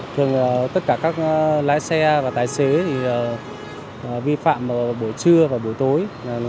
thường tất cả các lái xe và tài xế vi phạm buổi trưa và buổi tối